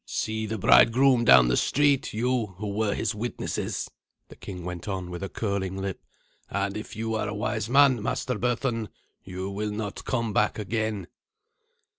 "See the bridegroom down the street, you who were his witnesses," the king went on, with a curling lip; "and if you are a wise man, master Berthun, you will not come back again."